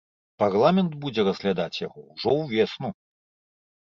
Парламент будзе разглядаць яго ўжо ўвесну.